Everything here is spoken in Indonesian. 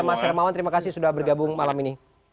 mas hermawan terima kasih sudah bergabung malam ini